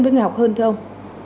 với người học hơn thưa ông